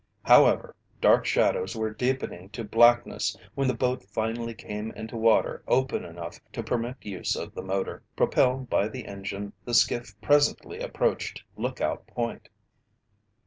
However, dark shadows were deepening to blackness when the boat finally came into water open enough to permit use of the motor. Propelled by the engine, the skiff presently approached Lookout Point.